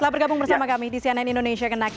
telah bergabung bersama kami di cnn indonesia connected